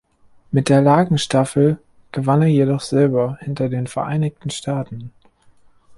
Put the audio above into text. Mit der Lagenstaffel gewann er jedoch Silber hinter den Vereinigten Staaten.